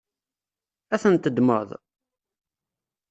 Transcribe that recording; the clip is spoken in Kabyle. Ad tent-teddmeḍ?